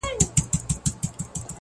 له سپاهيانو يې ساتلم پټولم٫